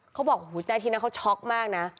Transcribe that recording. เขาบอกแต่ทีนั้นเขาช็อกมากนะ